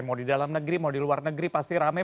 mau di dalam negeri mau di luar negeri pasti rame